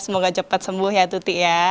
semoga cepat sembuh ya tuti ya